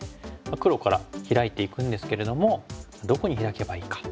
黒からヒラいていくんですけれどもどこにヒラけばいいか。